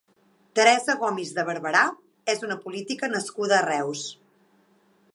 Teresa Gomis de Barbarà és una política nascuda a Reus.